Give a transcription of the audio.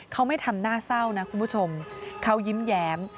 เขาไม่ทำหน้าเศร้านะคุณผู้ชมเขายิ้มแย้ม